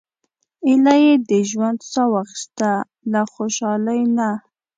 ایله یې د ژوند سا واخیسته له خوشالۍ نه.